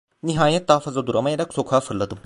Nihayet daha fazla duramayarak sokağa fırladım.